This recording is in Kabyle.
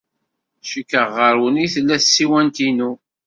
Cikkeɣ ɣer-wen ay tella tsiwant-inu.